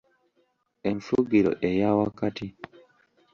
Enfugiro eya wakati